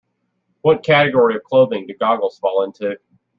What category of clothing do goggles fall into?